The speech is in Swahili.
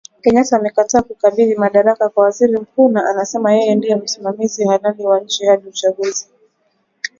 Kenyatta amekataa kukabidhi madaraka kwa waziri mkuu, na anasema yeye ndie msimamizi halali wanchi hadi uchaguzi ufanyike